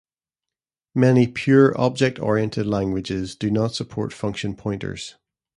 Many "pure" object-oriented languages do not support function pointers.